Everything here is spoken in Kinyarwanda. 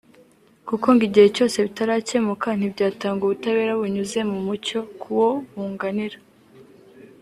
kuko ngo igihe cyose bitarakemuka ntibyatanga ubutabera bunyuze mu mucyo ku wo bunganira